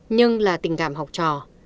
nhưng là tình cảm học trò